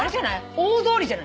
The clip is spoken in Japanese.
大通じゃない？